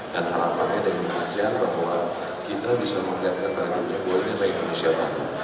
dan harapannya dari kebijak bahwa kita bisa melihat antara dunia worldnya dengan indonesia baru